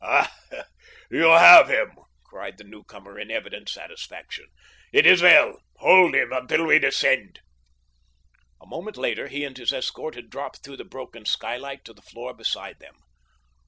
"Ah, you have him!" cried the newcomer in evident satisfaction. "It is well. Hold him until we descend." A moment later he and his escort had dropped through the broken skylight to the floor beside them.